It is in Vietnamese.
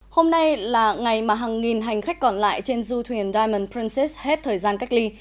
hôm nay là ngày mà hàng nghìn hành khách còn lại trên du thuyền diamond princess hết thời gian cách ly